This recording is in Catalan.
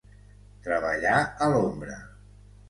Treballar a l'ombra.